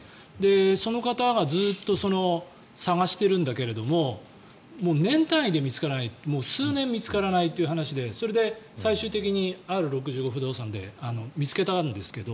その方がずっと探してるんだけど年単位で見つからない数年見つからないという話でそれで、最終的にＲ６５不動産で見つけたんですけど。